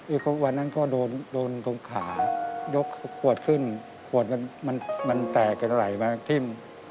วันนั้นก็โดนตรงขายกขวดขึ้นขวดมันแตกกันไหลมาทิ้ม